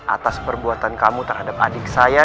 atas perbuatan kamu terhadap adik saya